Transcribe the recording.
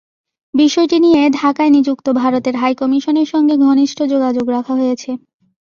বিষয়টি নিয়ে ঢাকায় নিযুক্ত ভারতের হাইকমিশনের সঙ্গে ঘনিষ্ঠ যোগাযোগ রাখা হয়েছে।